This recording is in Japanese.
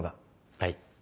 はい。